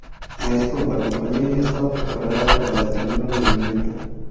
A esto, la compañía ya estaba preparada para detener al movimiento.